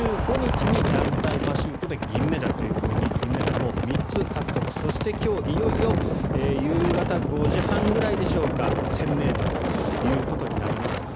１５日に団体パシュートで銀メダルと銀メダルを３つ獲得そして、今日いよいよ夕方５時半ぐらいでしょうか１０００ｍということになります